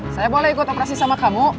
saya boleh ikut operasi sama kamu